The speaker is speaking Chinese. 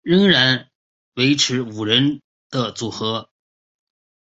仍然维持五人的组合。